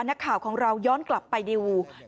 นักข่าวของเราย้อนกลับไปดู